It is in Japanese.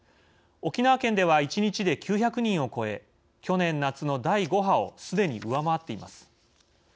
沖縄県では一日で９００人を超え去年夏の第５波をすでに上回っています。